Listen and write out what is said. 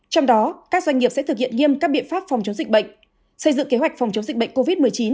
trong đó các doanh nghiệp sẽ thực hiện nghiêm các biện pháp phòng chống dịch bệnh xây dựng kế hoạch phòng chống dịch bệnh covid một mươi chín